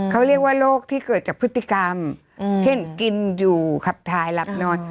เขาเรียกว่าโรคที่เกิดจากพฤติกรรมเช่นกินอยู่ขับทายหลับนอน